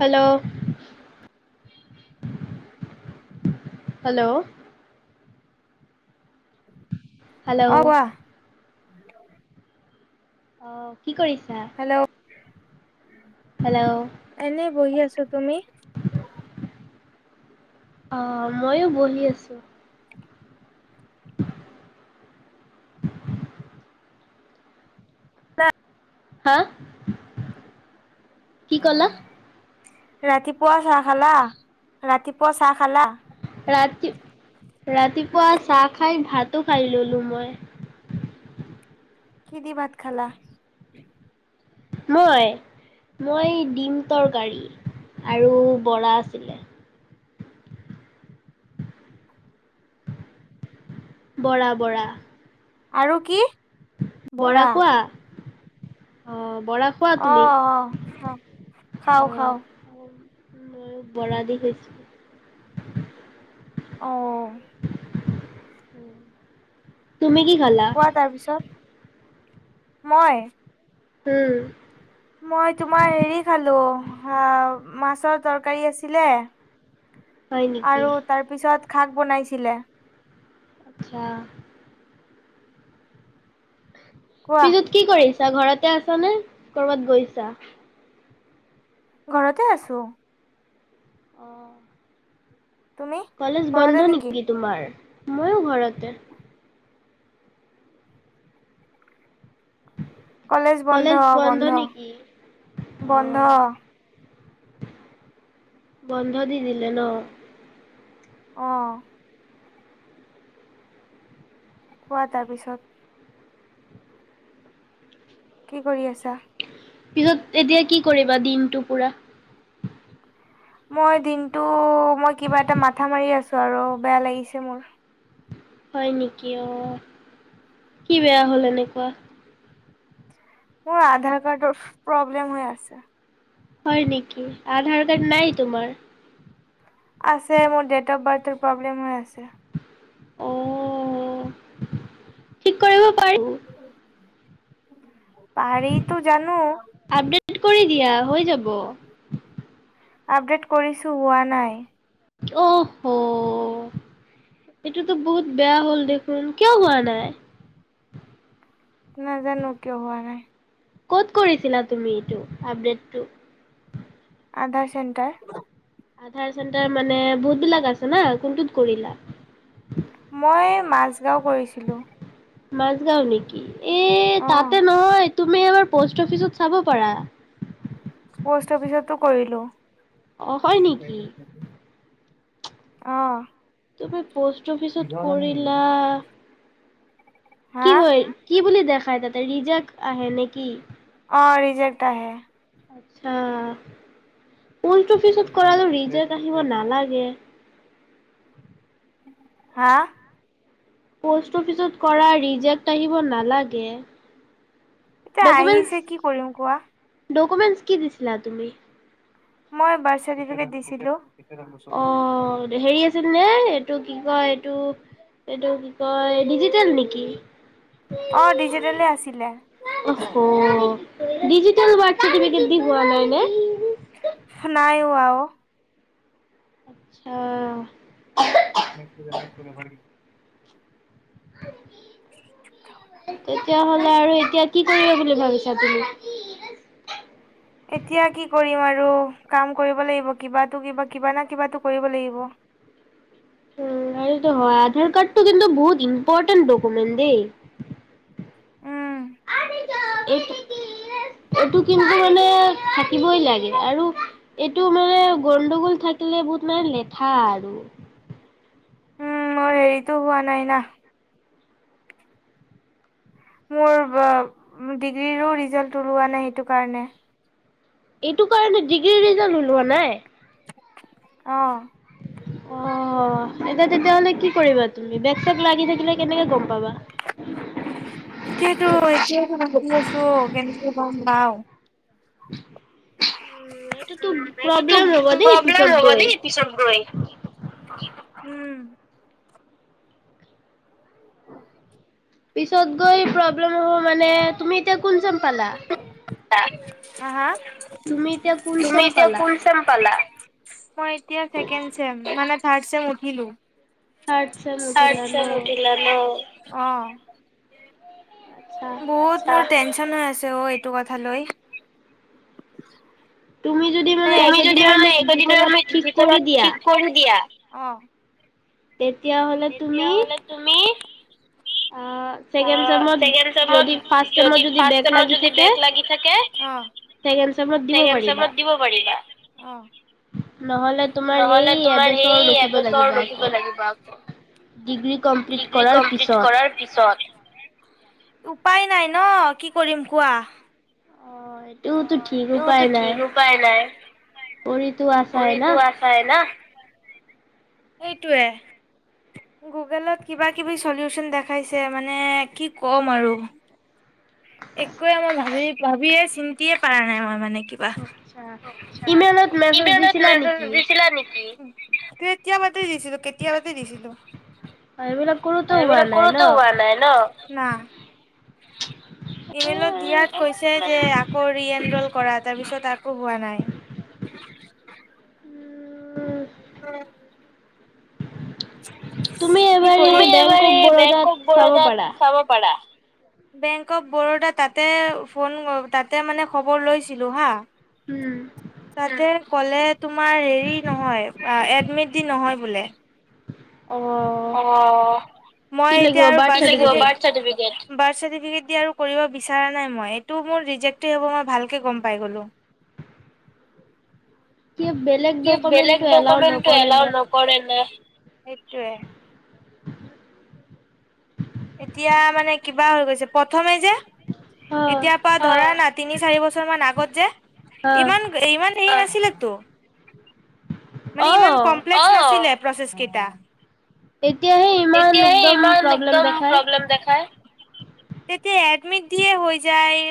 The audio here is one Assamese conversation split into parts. হেল্ল'। হেল্ল'। হেল্ল' অ কোৱা অ' কি কৰিছা? হেল্ল' হেল্ল' এনেই বহি আছোঁ। তুমি? অঁ, ময়ো বহি আছোঁ। তা। হা? কি কলা? ৰাতিপুৱা চাহ খালা, ৰাতিপুৱা চাহ খালা। ৰাতি, ৰাতিপুৱা চাহ খাই ভাতো খাই ললো মই। কিহে দি ভাত খালা। মই, মই ডিম তৰকাৰী আৰু বৰা আছিলে। বৰা বৰা। আৰু কি? বৰা খোৱা অ' বৰা। খোৱা তুমি অ' অ' অ' খাওঁ খাওঁ। মইয় বৰা দিশ হৈছো। অঁ। তুমি কি খালা। কোৱা তাৰ পিছত। মই। উম। মই তোমাৰ হেৰি খালোঁ মাছৰ তৰকাৰী আছিলে। হয় নেকি আৰু তাৰ পিছত শাক বনাইছিলে। আচ্ছা। কোৱা পিছত কি কৰিছা ঘৰতে আছ নে কৰবাত গৈছা। ঘৰতে আছোঁ। আহ' তুমি কলেজ বন্ধ নেকি তোমাৰ, মইো ঘৰতে। কলেজ বন্ধ বন্ধ বন্ধ অ'। বন্ধ দি দিলে ন। অঁ কোৱা তাৰ পিছত-। কি কৰি আছা। পিচত এতিয়া কি কৰিবা দিনটো পুৰা। মই দিনতটো মই কিবা এটা মাথা মাৰি আছোঁ। আৰু বেয়া লাগিছে মোৰ, হয় নেকি অ' কি বেয়া হ'ল এনেকুৱা। মোৰ আধাৰ কাৰ্ডৰ প্ৰব্লেম হৈ আছে। হয় নেকি আধাৰ কাৰ্ড নাই তোমাৰ। আছে মোৰ ডেট অফ বাৰ্থৰ প্ৰব্লেম হৈ আছে। অ' ঠিক কৰিব পাৰিম। পাৰীটো জানো। আপডেট কৰি দিয়া হৈ যাব। আপডেট কৰিছোঁ হোৱা নাই। অ' হ। এইটোতো বহুত বেয়া হ'ল দেখোন কিয় হোৱা নাই। নাজানোঁ কিয় হোৱা নাই। ক'ত কৰিছিলা তুমি এইটো আপডেটটো। আধাৰ চেণ্টাৰ। আধাৰ চেণ্টাৰ মানে বহুত বিলাক আছে না কোনটোত কৰিলা? মই মাছগাঁও কৰিছিলোঁ। মাাজ গাও নেকি এ অ তাতে নহয়, তুমি আমাৰ পষ্ট অফিচত চাব পাৰা। পষ্ট অফিচতটো কৰিলোঁ। অ হয় নেকি? অ' তুমি প'ষ্ট অফিচত কৰিলা, হা কি হয় কি বুলি দেখাই তাতে ৰিজাক আহে নেকি? অঁ ৰিজেক্ট আহে। আচ্ছা পষ্ট অফিচত কৰাটো ৰিজেক্ট আহিব নালাগে হা প'ষ্ট অফিচত কৰা ৰিজেক্ট আহিব নালাগে তে আহিছে কি কৰিম কোৱা? দকমেন্স কি দিছিলা তুমি? মই বাৰ্থচাৰ্টিফিকেট দিছিলো। অ', হেৰি আছিল নে এইটো কি কয় এইটো? এইটো কি কয় ডিজিটেল নেকি? অ ডিজিটেলে আছিলে। অঁহ হ ডিজিটেল বাৰ্থচাৰ্টিফিকেট দি হোৱা নাই নে? নাই হোৱা অ চা মমে ভৰি [unintelligible] তেতিয়াহলে আৰু এতিয়া কি কৰিবা বুলি ভাবিছা তুমি? এতিয়া কি কৰিম আৰু কাম কৰিব লাগিব কিবাটো কিবা কিবা নহয় কিবাটো কৰিব লাগিব। উম সেইটো হয় আধাৰ কাৰ্ডটো কিন্তু বহুত ইম্পৰ্তেন্ত দকমেন্ত দেই। উম, এইটো এইটো কিন্তু মানে থাকিবই লাগে আৰু এইটো মানে গণ্ডগোল থাকিলে বহুত মানে লেঠা আৰু উম, মোৰ হেৰিতো হোৱা নাই না মোৰ বা ডিগ্ৰীৰো ৰিজাল্ট ওলোৱা নাই সেইটো কাৰণে এইটো কাৰণে ডিগ্ৰীৰ ৰিজাল্ট ওলোৱা নাই? অ অ এতিয়া তেতিয়াহ'লে কি কৰিবা তুমি বেগ চেক লাগি থাকিলে কেনেকে গম পাবা? এতিয়াতো এতিয়া আছো কেনেকে গম পাও উ [unintelligible] উ এটোতো এইটোতো প্ৰবলেম হ'ব দেই প্ৰব্লেম পিছত হ'ব গৈ দেই পিছত গৈ। উম পিছত গৈ প্ৰবলেম হব মানে তুমি এতিয়া কোন ছেম পালা? আ হা হা তুমি এতিয়া কোন তুমি চেম এতিয়া পালা? কোন ছেম পালা? মই এতিয়া ছেকেণ্ড ছেম মানে থাৰ্ড ছেম উঠিলো। থাৰ্ড চেম থাৰ্ড উঠিলা ন? ছেম উঠিলা ন, অঁ। আচ্ছা, বহুত মোৰ টেনচন হৈ আছে অ এইটো কথা লৈ। তুমি যদি মানে তুমি যদি এইকেইদিনৰ মানে ভিতৰত এইকেইদিনৰ ঠিক কৰি ভিতৰত দিয়া ঠিক কৰি দিয়া, অঁ। তেতিয়াহ'লে তুমি তেতিয়াহ'লে তুমি, কি অ', আ ছেকেণ্ড চেমত ছেকেণ্ড ছেমট যদি ফাৰ্ষ্ট চেমত যদি ফাৰ্চ বেগ ছেমত লাগি যদি থাকে বেগ লাগি থাকে। অঁ। ছেকেণ্ড চেমত দিব পাৰি। তাত দিব পাৰিবা অঁ। নহলে তোমাৰ সেই সেই এবছৰ ৰখিব এবছৰ লাগিব ৰখিব আকৌ। লাগিব আকৌ। ডিগ্ৰী কমপ্লিট ডিগ্ৰী কৰাৰ কমপ্লিট পিছত। কৰাৰ পিছত, উপায় নাই ন কি কৰিম কোৱা? অ' অ এইটোতো ঠিক সেইতোটো উপায় নাই, ঠিক উপায় নাই কৰিতো আছাই না। কৰিতো আছাই না সেইটোৱে। গুগলত কিবা কিবি চলিউচন দেখাইছে মানে কি ক'ম আৰু। একোৱে মই ভাবি ভাবিয়ে চিন্তিয়ে পাৰা নাই মই মানে কি। আ আচ্ছা, আচ্ছা ইমেইলত মেছেজ ইমেইলত দিছিলা মেছেজ নেকি? দিছিলা নি? কেতিয়াবাতে দিছিলো কেতিয়াবাতে দিছিলো। এইবিলাক কৰোতো হোৱা নাই ন? সেইবিলাকৰটো হোৱা নাই ন। [inaudible] ইমেইলত উম, দিয়াত কৈছে যে, আকৌ ৰি এন ৰল কৰা তাৰ পিছত আকো হোৱা নাই। [inaudible] উম। উম। তুমি কি এবাৰ এই তুমি বেংক এবাৰ অফ এই বৰোদাত বেংকক চাব বৰোদাত পাৰা। চাব পাৰা। বেংক অৱ বৰোদা তাতে ফোন তাতে মানে খবৰ লৈছিলোঁ হা। উম। তাতে ক'লে তোমাৰ হেৰি নহয়, এডমিট দি নহয় বোলে। অ। অ, মই এতিয়া আৰু বাৰ্থ চাৰ্টিফিকেট কি লাগিব বাৰ্থ চাৰ্টিফিকেট। বাৰ্থ চাৰ্টিফিকেট দি আৰু কৰিব বিচৰা নাই মই, এইটো মোৰ ৰিজেক্টেই হ'ব মই ভালকে গম পাই গ'লো। এতিয়া বেলেগ কি বেলেগ ডকুমেন্টটো এলাও ডকুমেন্টটো নকৰে এলাও না। নকৰে না, সেইটোৱে। এতিয়া মানে কিবা হৈ গৈছে, প্ৰথমে যে অ', এতিয়া ধৰা না তিনি চাৰি বছৰ মান আগত যে অ', ইমান ইমান হেৰি নাছিলে তো, মানে ইমান অঁ অ'। কম নাছিলে। প্ৰচেছ কেইটা। এতিয়াহে ইমান এতিয়াহে একদম ইমান প্ৰব্লেম একদম দেখায়। প্ৰব্লেম দেখাই, এতেতিয়া এডিমিত দিয়ে হৈ যায়।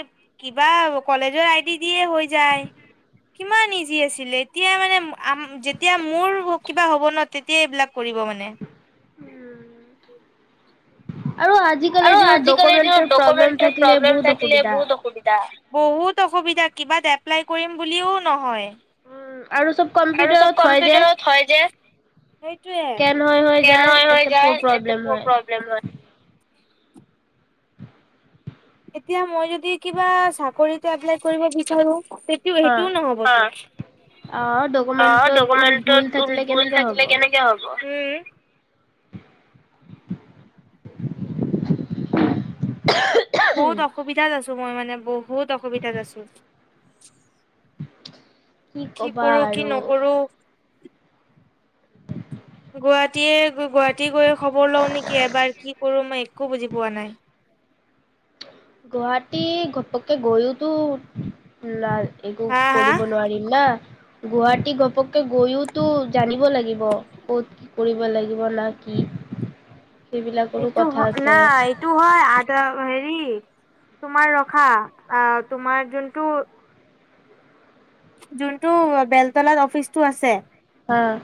কিবা কলেজৰ আইডি দিয়ে হৈ যায়। কিমান ইজি আছিলে, এতিয়া মানে যেতিয়া আ মোৰ কিবা হ'ব ন তেতিয়া এইবিলাক কৰিব মানে। আৰু আৰু আজিকালিৰ দিনত আজিকালিৰ দিনত ডকুমেন্টৰ প্ৰব্লেম ডকুমেণ্টৰ থাকিলে প্ৰব্লেম বহুত থাকিলে অসুবিধা। বহুত অসুবিধা। বহুত অসুবিধা কিবাত এপ্লাই কৰিম বুলিও নহয়। উম, আৰু চব আৰু চব কম্পিউটাৰত হয় যে। কম্পিউটাৰত হয় যে সেইটোৱে স্কেন হৈ হৈ স্কেন যায় হৈ এইটো প যায় এতে প্ৰব্লেম হয়। প্ৰব্লেম হয় এতিয়া মই যদি কিবা চাকৰিত এপ্লাই কৰিব বিচাৰোঁ তে- সেইটো হা সেইটোও নহ'ব অ। অ' অঁ ডকুমেন্টত ভুল ডকুমেণ্টত থাকিলে ভুল কেনেকে হ'ব। থাকিলে কেনেকে হ'ব ওম। বহুত অসুবিধাত আছো মই মানে বহুত অসুবিধাত আছোঁ। কি ক'বা কৰো কি আৰু নকৰোঁ। গুৱাহাটীয়ে গুৱাহাটী গৈ খবৰ লও নেকি এবাৰ কি কৰু মই একো বুজি পোৱা নাই। গুৱাহাটী ঘপকে গৈওতো- লাল একো হা হা কৰিব নোৱাৰিল না। গুৱাহাটী গপকে গৈওতো জানিব লাগিব ক'ত- কৰিব লাগিব না কি সেইবিলাকৰো কথা আছে। এটো হয় আদ হেৰি তোমাৰ ৰখা অঁ তোমাৰ যোনটো- যোনটো বেলতলাত অফিচটো আছে- আহ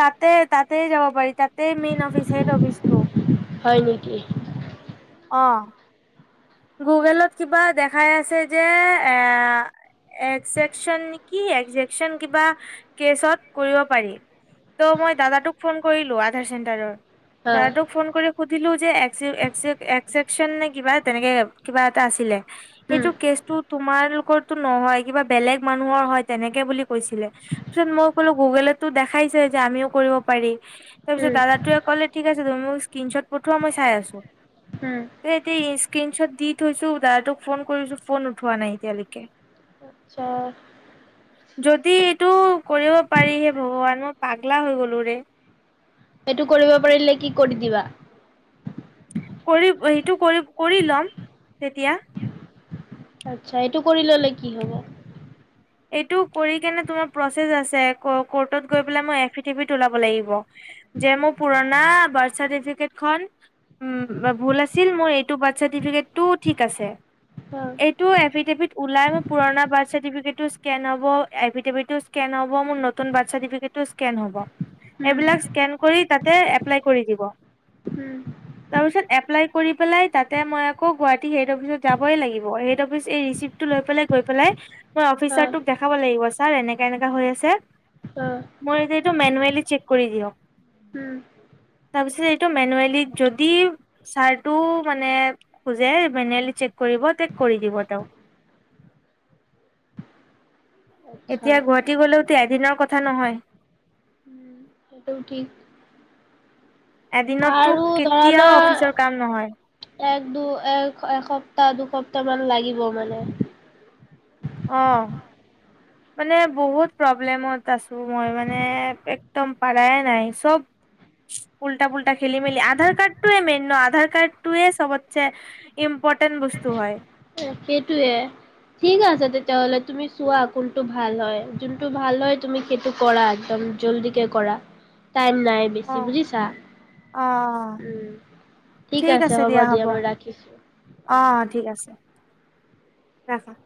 তাতে তাতেই যাব পাৰি তাতেই মেইন অফিচ হেড অফিচটো। হয়ঁ নেকি? অঁ! গোগলত কিবা দেখাই আছে যে এ- একজকচন নেকি একজেকচন কিবা কেচত কৰিব পাৰি। ত' মই দাদ তোক ফোন কৰিলো আধাৰ চেণ্টাৰৰ। হা দাদাদোক ফোন কৰি সুধিলো যে এককচন নে কিবা তেনেকে। কিবা এটা আছিলে উম সেইটো কেচটো- তোমালোকৰতো নহয় কিবা বেলেগ মানুহৰ হয়ঁ তেনেকে বুলি কৈছিলে। তাৰপিছত মই ক'লো গুগলেতো দেখাইছে যে আমিও কৰিব পাৰি। তাৰ পিছত উম দাদাটোৱে কলে ঠিক আছে তুমি মোক স্ক্ৰীনশ্বত পঠোৱা মই চাই আছোঁ। উমঁ! এ এতিয়া স্ক্ৰীনশ্বট দি থৈছোঁ দাদ তোক ফোন কৰিছোঁ ফোন উঠোৱা নাই এতিয়ালৈকে। আচ্ছা। যদি এইটো কৰিব পাৰি হে ভগৱান মই পাগলা হৈ গ'লো ৰে। এইটো কৰিব পাৰিলে কি কৰি দিবা? কৰিব সেইটো কৰিব কৰি ল'ম তেতিয়া। আচ্ছা এইটো কৰি ল'লে কি হ'ব। এইটো কৰি কেনে তোমাৰ প্ৰচেছ আছে ক কৰ্টত গৈ পেলাই মই এফিডেফিট ওলাব লাগিব। যে মোৰ পুৰণা বাৰ্থ চাৰ্টিফিকেট খন উমঁ ব ভুল আছে- ছিল মোৰ এইটো বাৰ্থ চাৰ্টিফিকেট টো ঠিক আছে। অঁ এইটো এফিডেফিট ওলাই মই পুৰণা বাৰ্থ চাৰ্টিফিকেটো- স্কেন হ'ব এফিডেফিটো স্কেন হ'ব মোৰ নতুন বাৰ্থ চাৰ্টিফিকেটো স্কেন হ'ব উম এইবিলাক - স্কেন কৰি তাতে এপ্লাই কৰি দিব। উমঁ! তাৰপিছত এপ্লাই কৰি পেলাই তাতে মই আকৌ গুৱাহাটী হেড অফিচত যাবই লাগিব হেড অফিচ এই ৰিচিপ- টো লৈ পেলাই গৈ পেলাই মই হা অফিচাৰটোক দেখুৱাবো লাগিব ছাৰ এনেকুৱা এনেকুৱা হৈ আছে। অঁ! মোৰ এইটো এইটো মেনুৱেলি চেক কৰি দিয়ক। উমঁ! তাৰপিছত এইটো মেনুৱেলি যদি- ছাৰটো মানে খোজে, মেনুৱেলি চেক কৰিব, চেক কৰি দিব তেওঁ। আচ্ছা এতিয়া গুৱাহাটী গ'লেওতো এদিনৰ কথা নহয়। উম, সেইটোও ঠিক। এদিনততো আৰু ধৰা না কেতিয়াও অফিচৰ কাম নহয়। এক দু, এক এসপ্তাহ, দুসপ্তাহ মান লাগিব মানে। অ [inaudible] মানে বহুত প্ৰব্লেমত আছোঁ মই মানে একদম পাৰাই নাই, চব উল্টা পুল্টা খেলি মেলি। আধাৰ কাৰ্ডটোৱে মেইন ন' আধাৰ কাৰ্ডটোৱে চবতছে ইম্পৰ্টেণ্ট বস্তু হয়। অ' সেইটোৱে। ঠিক আছে তেতিয়া হ'লে, তুমি চোৱা কোনটো ভাল হয়, যোনটো ভাল হয় তুমি সেইটো কৰা একদম। জলদিকে কৰা টাইম নাই। অ বেছি বুজিছা, অ উম। ঠিক আছে হ'ব দিয়া মই ৰাখিছোঁ। অ' ঠিক আছে, ৰাখা।